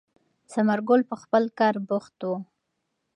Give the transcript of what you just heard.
ثمر ګل په خپل کار بوخت و.